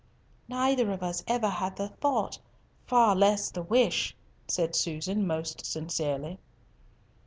"Neither of us ever had the thought, far less the wish," said Susan most sincerely.